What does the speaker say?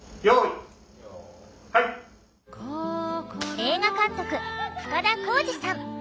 映画監督深田晃司さん。